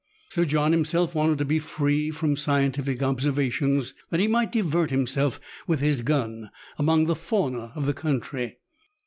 Sir John himself wanted to be free from scientific observations, that he might divert himself with his gun among the fauna of the country.